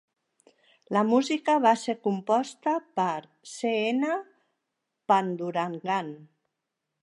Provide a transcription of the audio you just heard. La música va ser composta per C. N. Pandurangan.